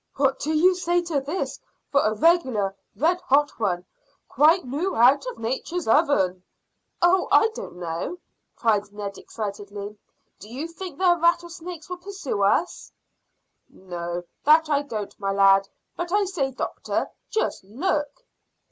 What do you say to this for a regular red hot one, quite noo out of nature's oven?" "Oh, I don't know," cried Ned excitedly. "Do you think the rattlesnakes will pursue us?" "No that I don't, my lad; but I say, doctor, just look."